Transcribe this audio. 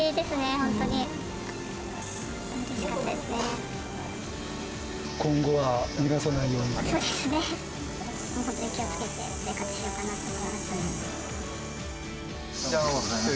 本当に気をつけて生活しようと思ってます。